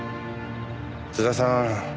津田さん